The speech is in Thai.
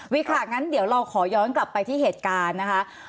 ค่ะงั้นเดี๋ยวเราขอย้อนกลับไปที่เหตุการณ์นะคะ